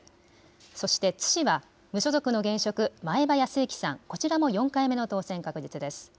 そして津市は無所属の現職、前葉泰幸さん、こちらも４回目の当選確実です。